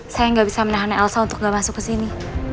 saya nggak bisa menahannya elsa untuk gak masuk ke sini